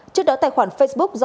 trước đó tài khoản facebook